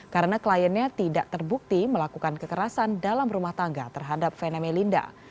karena kliennya tidak terbukti melakukan kekerasan dalam rumah tangga terhadap fename linda